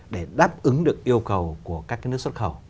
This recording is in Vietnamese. để đáp ứng được yêu cầu của các nước xuất khẩu